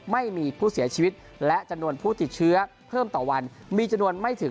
ไม่มีผู้เสียชีวิตและจำนวนผู้ติดเชื้อเพิ่มต่อวัน